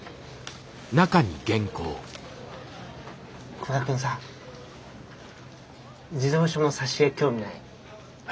久我君さ児童書の挿絵興味ない？え？